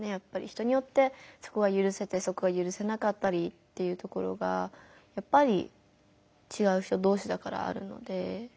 人によってそこはゆるせたりそこはゆるせなかったりというところがやっぱりちがう人同士だからあるので。